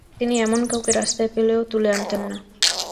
তিনি এমন কাউকে রাস্তায় পেলেও তুলে আনতেন না।